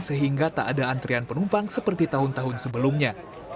sehingga tak ada antrian penumpang seperti tahun tahun sebelumnya